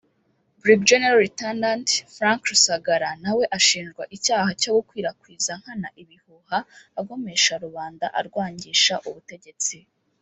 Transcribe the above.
Brig Gen (Rtd) Frank Rusagara na we ashinjwa icyaha cyo gukwirakwiza nkana ibihuha agomesha rubanda arwangisha ubutegetsi